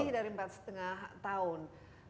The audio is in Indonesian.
lebih dari empat lima tahun